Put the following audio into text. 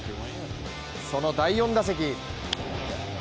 その第４打席。